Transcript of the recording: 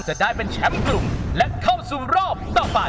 จะได้เป็นแชมป์กลุ่มและเข้าสู่รอบต่อไป